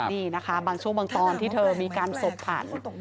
นี่นะคะบางช่วงบางตอนที่เธอมีการสบผัน